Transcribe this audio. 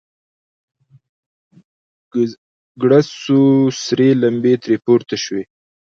گړز سو سرې لمبې ترې پورته سوې.